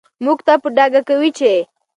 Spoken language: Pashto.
موږ ته په ډاګه کوي چې